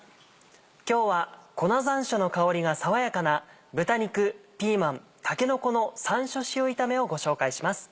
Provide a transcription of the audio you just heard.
今日は粉山椒の香りが爽やかな「豚肉ピーマンたけのこの山椒塩炒め」をご紹介します。